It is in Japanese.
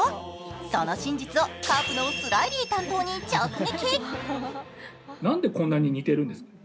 その真実を、カープのスラィリー担当に直撃。